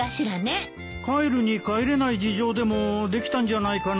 帰るに帰れない事情でもできたんじゃないかな。